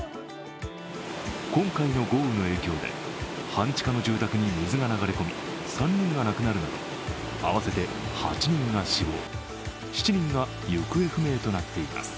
今回の豪雨の影響で、半地下の住宅に水が流れ込み、３人が亡くなるなど合わせて８人が死亡、７人が行方不明となっています。